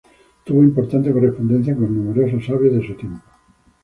Tuvo importante correspondencia con numeroso sabios de su tiempo.